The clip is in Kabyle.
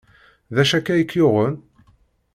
D acu akka i k-yuɣen?